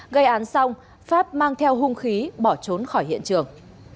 gây án xong pháp mang theo hung khí bỏ trốn khỏi hiện trường